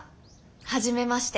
はじめまして。